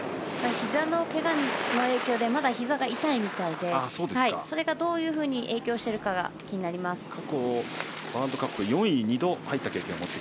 ひざのけがの影響でまだひざが痛いみたいでそれがどういうふうに影響しているか気になります。